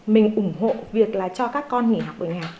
mình ủng hộ việc là cho các con nghỉ học ở nhà